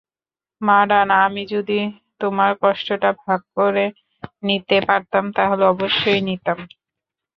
মারান, আমি যদি তোমার কষ্টটা ভাগ করে নিতে পারতাম তাহলে অবশ্যই নিতাম।